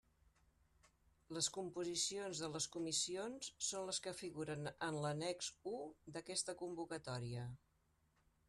Les composicions de les comissions són les que figuren en l'annex u d'aquesta convocatòria.